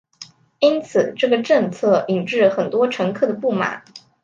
因此这个政策引致很多乘客的不满。